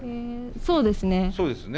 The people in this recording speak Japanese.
そうですね。